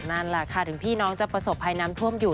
นั่นแหละค่ะถึงพี่น้องจะประสบภัยน้ำท่วมอยู่